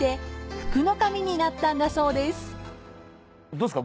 どうですか？